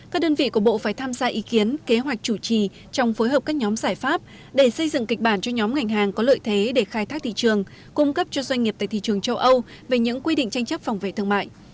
các đơn vị của bộ phải tham gia ý kiến kế hoạch chủ trì trong phối hợp các nhóm giải pháp để xây dựng kịch bản cho nhóm ngành hàng có lợi thế để khai thác thị trường cung cấp cho doanh nghiệp tại thị trường châu âu về những quy định tranh chấp phòng vệ thương mại